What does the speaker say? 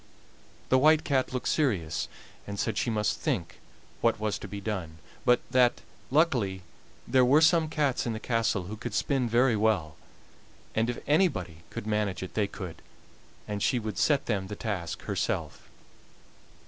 The White Cat looked serious, and said she must think what was to be done, but that, luckily, there were some cats in the castle who could spin very well, and if anybody could manage it they could, and she would set them the task herself.